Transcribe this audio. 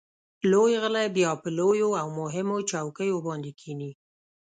لوی غله بیا په لویو او مهمو چوکیو باندې کېني.